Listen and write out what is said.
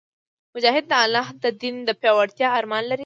مجاهد د الله د دین د پیاوړتیا ارمان لري.